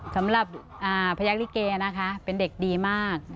สำหรับพระยักษ์นิเกเป็นเด็กดีมาก